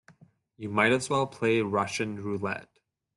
You might as well play Russian roulette.